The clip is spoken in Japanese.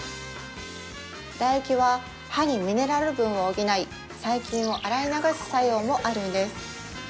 唾液は歯にミネラル分を補い細菌を洗い流す作用もあるんです